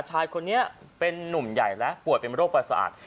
ชายคนนี้เป็นนุ่มใหญ่และป่วยเป็นโรคประสาท